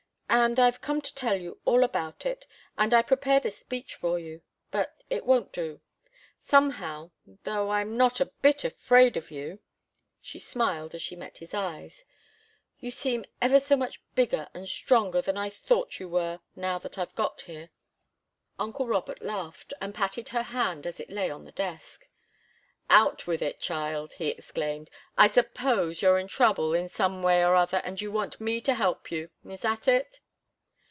"And I've come to tell you all about it, and I prepared a speech for you. But it won't do. Somehow, though I'm not a bit afraid of you " she smiled as she met his eyes "you seem ever so much bigger and stronger than I thought you were, now that I've got here." Uncle Robert laughed and patted her hand as it lay on the desk. "Out with it, child!" he exclaimed. "I suppose you're in trouble, in some way or other, and you want me to help you. Is that it?"